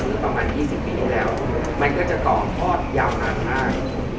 หรือประมาณ๒๐ปีที่แล้วมันก็จะต่อทอดยาวนานได้